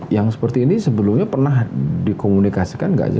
yang seperti ini sebelumnya pernah dikomunikasikan nggak sih